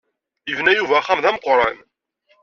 Yebna Yuba axxam d ameqqṛan.